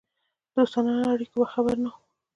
دوستانه اړیکو به خبر نه وو.